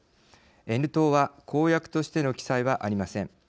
Ｎ党は、公約としての記載はありません。